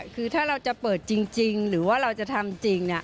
คือถ้าเราจะเปิดจริงหรือว่าเราจะทำจริง